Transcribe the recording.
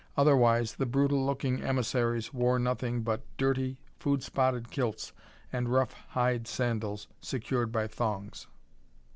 Otherwise the brutal looking emissaries wore nothing but dirty, food spotted kilts and rough hide sandals secured by thongs.